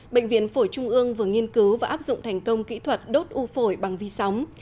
bệnh viện phổi trung ương vừa nghiên cứu và áp dụng thành công kỹ thuật đốt u phổi bằng vi sóng